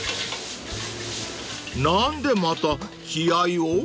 ［何でまた気合を？］